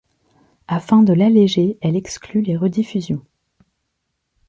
Afin de l'alléger, elle exclut les rediffusions.